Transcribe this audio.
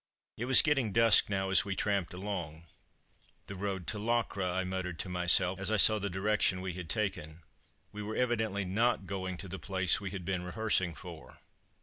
It was getting dusk now as we tramped along. "The road to Locre," I muttered to myself, as I saw the direction we had taken. We were evidently not going to the place we had been rehearsing for.